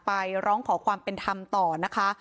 ร้องขอความเป็นธรรมต่อนะคะ